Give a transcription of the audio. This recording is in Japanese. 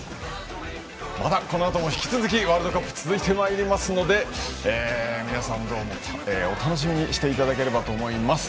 まだこのあとも引き続きワールドカップ続いてまいりますので皆さん、お楽しみにしていただければと思います。